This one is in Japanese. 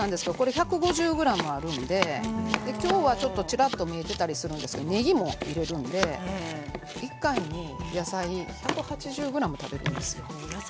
１５０ｇあるので今日はちらっと見えてたりするんですがねぎも入れるので１回に野菜１８０ｇ食べるんです。